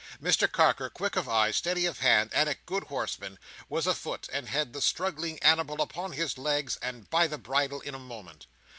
Mr Carker, quick of eye, steady of hand, and a good horseman, was afoot, and had the struggling animal upon his legs and by the bridle, in a moment.